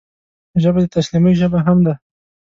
ژبه د تسلیمۍ ژبه هم ده